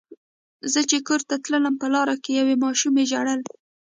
زه چې کور ته تلم په لاره کې یوې ماشومې ژړل.